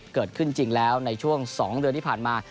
เกิดขึ้นจริงแล้วในช่วง๒เดือนที่ผ่านมา